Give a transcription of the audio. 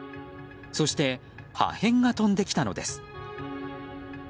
そして、破片が飛んできたのです。